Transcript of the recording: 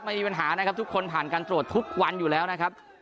ไม่มีปัญหานะครับทุกคนผ่านการตรวจทุกวันอยู่แล้วนะครับ